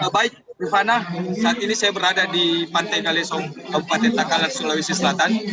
baik rifana saat ini saya berada di pantai galesong kabupaten takalar sulawesi selatan